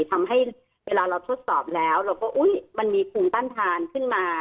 ทำให้เวลาเราทดสอบแล้วเราก็อุ๊ยมันมีภูมิต้านทานขึ้นมา